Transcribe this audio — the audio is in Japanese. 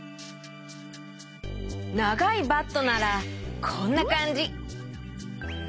ながいバットならこんなかんじ。